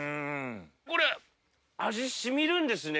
これ味染みるんですね